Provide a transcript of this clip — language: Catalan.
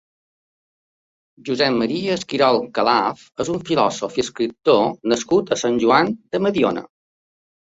Josep Maria Esquirol Calaf és un filòsof i escriptor nascut a Sant Joan de Mediona.